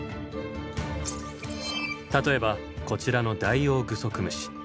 例えばこちらのダイオウグソクムシ。